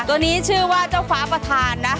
ตัวนี้ชื่อว่าเจ้าฟ้าประธานนะ